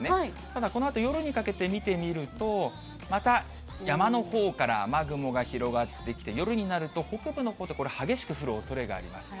ただこのあと夜にかけて見てみると、また山のほうから雨雲が広がってきて、夜になると、北部のほうで激しく降るおそれがあります。